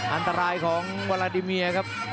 อันตรายของวาลาดิเมียครับ